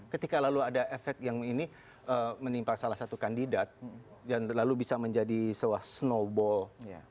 ketika lalu ada efek yang ini menimpa salah satu kandidat dan lalu bisa menjadi sebuah snowball